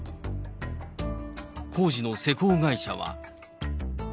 工事の施工会社は。